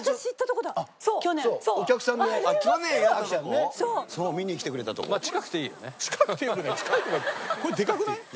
これでかくない？